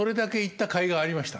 ありました？